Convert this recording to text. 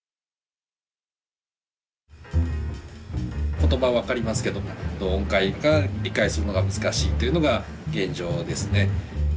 言葉分かりますけど音階が理解するのが難しいというのが現状ですね。